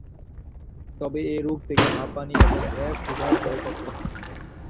তবে এ রোগ থেকে হাঁপানি এবং হে ফিভার হয়ে থাকে।